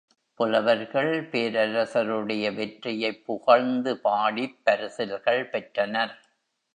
புலவர்கள் பேரரசருடைய வெற்றியைப் புகழ்ந்து பாடிப் பரிசில்கள் பெற்றனர்.